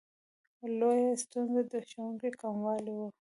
لویه ستونزه د ښوونکو کموالی و.